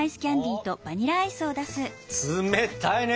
冷たいね！